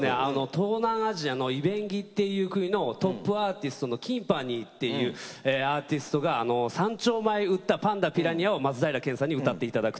東南アジアのイベンギっていう国のトップアーティストのＫｉｎｎｐａｎｎｙっていうアーティストが３兆枚売った「パンダピラニア」を松平健さんに歌って頂くという。